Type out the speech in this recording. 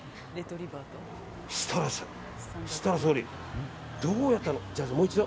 設楽総理、どうやったら。